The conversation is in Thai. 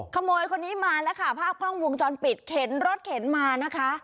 ขโมยคนนี้มาแล้วค่ะภาพกล้องวงจรปิดเข็นรถเข็นมานะคะ